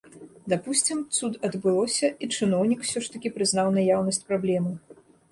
Дапусцім, цуд адбылося, і чыноўнік ўсё ж такі прызнаў наяўнасць праблемы.